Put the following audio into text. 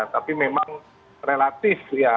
tapi memang relatif ya